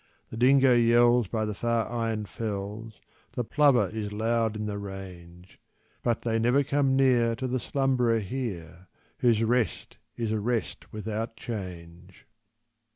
The dingo yells by the far iron fells, The plover is loud in the range, But they never come near to the slumberer here, Whose rest is a rest without change.